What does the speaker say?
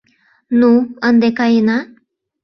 — Ну, ынде каена.